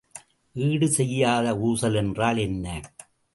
ஈடு செய்த ஊசல் என்றால் என்ன?